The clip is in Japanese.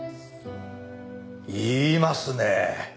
言いますね。